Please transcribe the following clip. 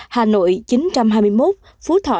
hà nội chín trăm hai mươi một phú thọ năm trăm bốn mươi